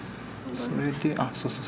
それであっそうそう